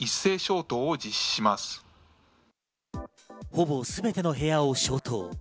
ほぼすべての部屋を消灯。